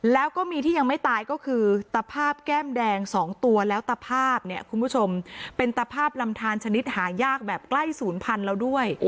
แล้วก็มีที่ยังไม่ตายก็คือตะภาพแก้มแดง๒ตัวแล้วตะภาพเนี่ยคุณผู้ชมเป็นตภาพลำทานชนิดหายากแบบใกล้ศูนย์พันธุ์แล้วด้วย